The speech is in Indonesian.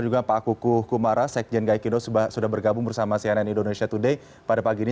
juga pak kukuh kumara sekjen gaikindo sudah bergabung bersama cnn indonesia today pada pagi ini